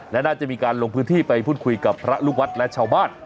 และน่าจะมีการลงพื้นที่ไปพูดคุยกับพระลูกวัดและชาวบ้าน